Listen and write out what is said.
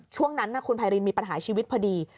ช่วงนั้นคุณไพรินมีปัญหาชีวิตพอดี